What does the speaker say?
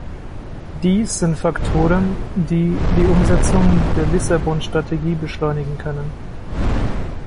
Dies sind Faktoren, die die Umsetzung der Lissabon-Strategie beschleunigen können.